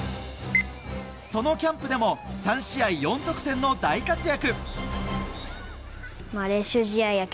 そのキャンプでも３試合４得点の大活躍！